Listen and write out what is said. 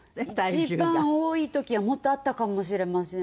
一番多い時はもっとあったかもしれませんね。